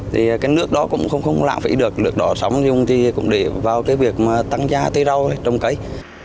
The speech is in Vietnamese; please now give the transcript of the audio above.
thì cái nước đó cũng không lạng phí được nước đó sống dùng thì cũng để vào cái việc mà tăng da tươi rau trong cái